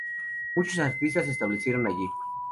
Muchos artistas se establecieron allí.